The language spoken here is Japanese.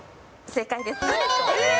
正解です。